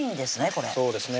これそうですね